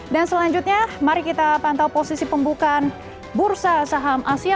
dan selanjutnya mari kita pantau posisi pembukaan bursa saham asia